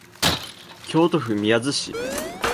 京都府宮津市